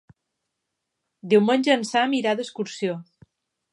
Diumenge en Sam irà d'excursió.